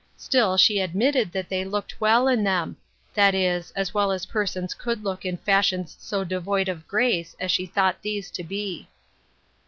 Still, she admitted that they looked well in them ; that is, as well as persons could look in fashions so devoid of grace as she thought these to be.